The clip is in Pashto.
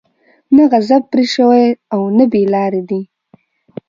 نه غضب پرې شوى او نه بې لاري دي.